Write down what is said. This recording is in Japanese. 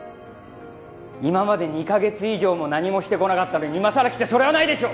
今まで２か月以上も何もしてこなかったのに、今さら来て、それはないでしょう！